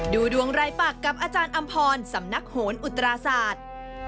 ดูดวงรายปากกับอาจารย์อำพรสำนักโหนอุตราศาสตร์